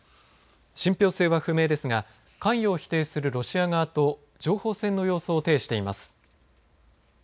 信ぴょう性は不明ですが関与を否定するロシア側と情報戦の様相を呈しています。